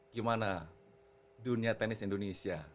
gimana dunia tenis indonesia